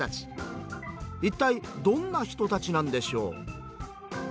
一体どんな人たちなんでしょう？